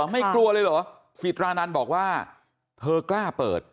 ไม่กลัวเลยเหรอสิตรานันต์บอกว่าเธอกล้าเปิด